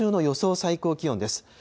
最高気温です。